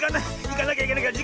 いかなきゃいかなきゃ。